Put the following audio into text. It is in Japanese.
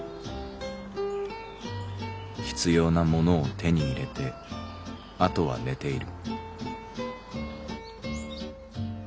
「必要なものを手に入れてあとは寝ている」。